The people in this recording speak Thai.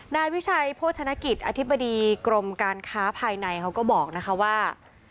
นายวิชัยโภชนกิจอธิบดีกรมการค้าภายในเขาก็บอกนะคะว่า